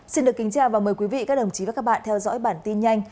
xin được kính chào và mời quý vị các đồng chí và các bạn theo dõi bản tin nhanh